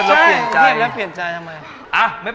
สถานีรถไฟไทย